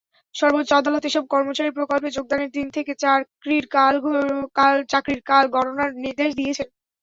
সর্বোচ্চ আদালত এসব কর্মচারীর প্রকল্পে যোগদানের দিন থেকে চাকরির কাল গণনার নির্দেশ দিয়েছেন।